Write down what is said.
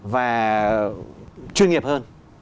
và chuyên nghiệp hơn